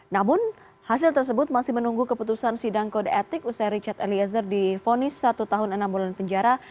namun hasil tersebut masih menunggu keputusan sidang kode etik usai richard eliezer difonis satu tahun enam bulan penjara